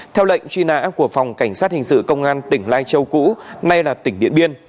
theo lệnh truy nã của phòng cảnh sát hình sự công an tỉnh lai châu cũ nay là tỉnh điện biên